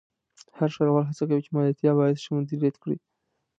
هر ښاروال هڅه کوي چې مالیاتي عواید ښه مدیریت کړي.